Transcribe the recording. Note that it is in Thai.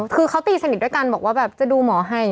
คือเขาตีสนิทด้วยกันบอกว่าแบบจะดูหมอให้